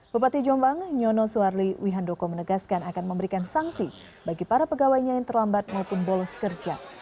bupati jombang nyono suarli wihandoko menegaskan akan memberikan sanksi bagi para pegawainya yang terlambat maupun bolos kerja